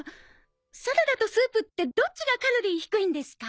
サラダとスープってどっちがカロリー低いんですか？